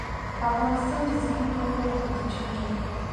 افغانستان د څېړنو لپاره بودیجه نه لري.